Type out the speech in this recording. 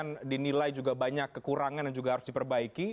ini juga akan dinilai banyak kekurangan yang harus diperbaiki